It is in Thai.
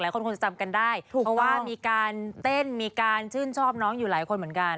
คนคงจะจำกันได้ถูกเพราะว่ามีการเต้นมีการชื่นชอบน้องอยู่หลายคนเหมือนกัน